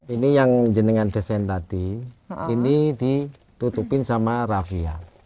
ini yang jenengan desain tadi ini ditutupin sama rafia